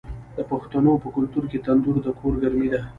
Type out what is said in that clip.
د پښتنو په کلتور کې تندور د کور ګرمي ده.